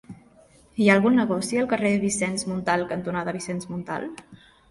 Hi ha algun negoci al carrer Vicenç Montal cantonada Vicenç Montal?